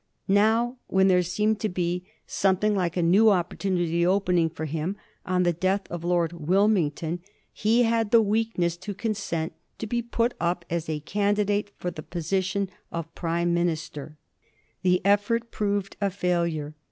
Now, when there seemed to be some 244 A HISTORY OF THE FOUR GEORG^ ce. xxxrii. thing like a new opportunity opening for him on the death of Lord Wilmington, he had the weakness to consent to be put up as a candidate for the position of Prime min ister. The effort proved a failure.